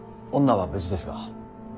女は無事ですが。